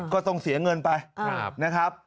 ก็ต้องเสียเงินไปนะครับ